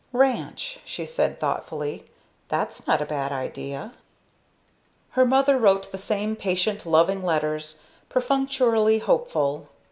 "Ranch," she said thoughtfully; "that's not a bad idea." Her mother wrote the same patient loving letters, perfunctorily hopeful.